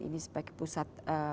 ini sebagai pusat